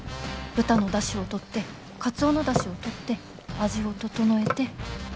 豚の出汁をとってカツオの出汁をとって味を調えて。